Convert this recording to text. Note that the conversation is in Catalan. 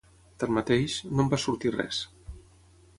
Tanmateix, no en va sortir res.